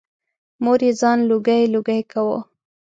مور یې ځان لوګی لوګی کاوه.